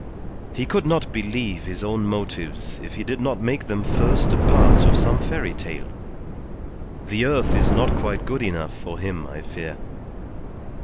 He could not believe his own motives if he did not make them first a part of some fairy tale. The earth is not quite good enough for him, I fear.